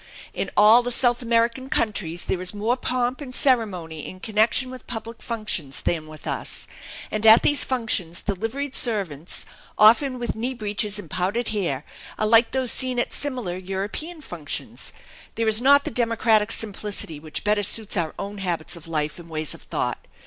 In all the South American countries there is more pomp and ceremony in connection with public functions than with us, and at these functions the liveried servants, often with knee breeches and powdered hair, are like those seen at similar European functions; there is not the democratic simplicity which better suits our own habits of life and ways of thought.